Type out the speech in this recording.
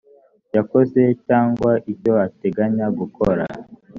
yakoze cyangwa icyo ateganya gukora